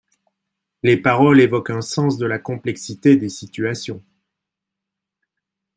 Les paroles évoquent un sens de la complexité des situations.